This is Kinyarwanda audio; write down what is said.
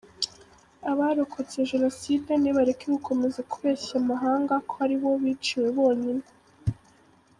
Abarokotse jenoside nibareke gukomeza kubeshya amahanga ko aribo biciwe bonyine.